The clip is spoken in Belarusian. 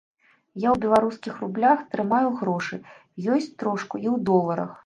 Я ў беларускіх рублях трымаю грошы, ёсць трошку і ў доларах.